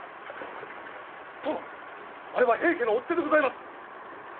殿あれは平家の追っ手でございます。